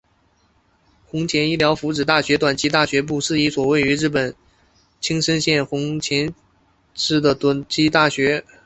弘前医疗福祉大学短期大学部是一所位于日本青森县弘前市的私立短期大学。